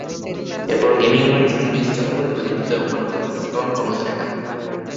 এরপর gaming minds studios চালু করে ক্যালিপসো এবং প্রাক্তন অ্যাস্কারন কর্মচারীরা।